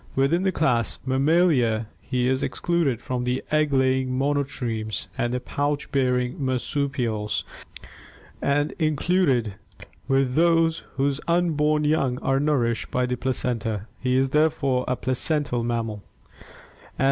Within the class Mammalia he is excluded from the egg laying monotremes and the pouch bearing marsupials, and included with those whose unborn young are nourished by the placenta (see page 495) ; he is therefore a placental mammal.